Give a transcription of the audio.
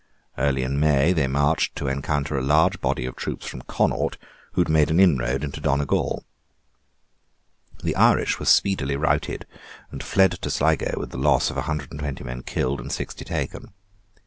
Early in May they marched to encounter a large body of troops from Connaught, who had made an inroad into Donegal. The Irish were speedily routed, and fled to Sligo with the loss of a hundred and twenty men killed and sixty taken.